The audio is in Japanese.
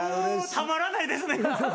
たまらないですね。